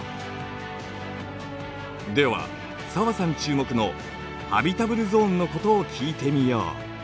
では紗和さん注目のハビタブルゾーンのことを聞いてみよう。